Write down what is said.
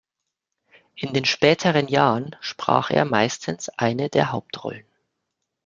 In den späteren Jahren sprach er meistens eine der Hauptrollen.